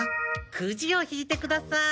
クジを引いてください！